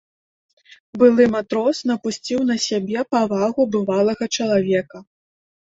Былы матрос напусціў на сябе павагу бывалага чалавека.